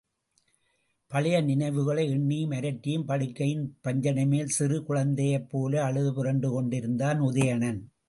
பழைய நினைவுகளை எண்ணியும் அரற்றியும் படுக்கையின் பஞ்சணைமேல் சிறு குழந்தையைப்போல அழுது புரண்டு கொண்டிருந்தான் உதயணன்.